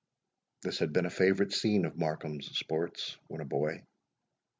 This had been a favourite scene of Markham's sports when a boy.